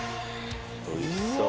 おいしそう。